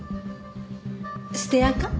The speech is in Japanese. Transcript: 捨てアカ？